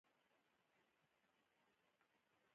ښه ملګری ستا عزت کوي.